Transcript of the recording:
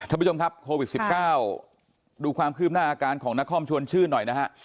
ท่านผู้ชมครับโควิด๑๙ดูความคืบหน้าอาการของนครชวนชื่นหน่อยนะฮะ